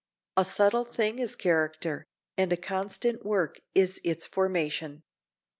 A subtle thing is character, and a constant work is its formation.